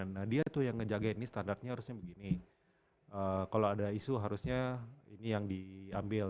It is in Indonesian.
nah dia itu yang ngejaga ini standarnya harusnya begini kalau ada isu harusnya ini yang diambil